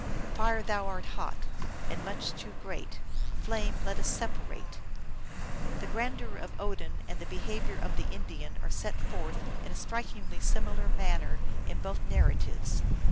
"Fire, thou art hot, and much too great ; flame, let us separate." The grandeur of Odin and the behavior of the In dian are set forth in a strikingly similar manner in both narratives.